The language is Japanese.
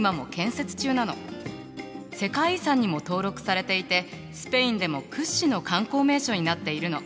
世界遺産にも登録されていてスペインでも屈指の観光名所になっているの。